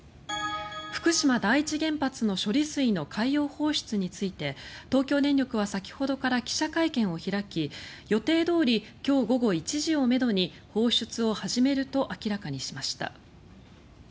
福島第一原発の処理水の海洋放出について東京電力は先ほどから記者会見を開き予定どおり今日午後１時をめどに放出を始めると明らかにしました。